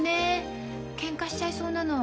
けんかしちゃいそうなの。